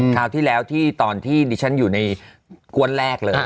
คราวที่แล้วที่ตอนที่ดิฉันอยู่ในก้วนแรกเลย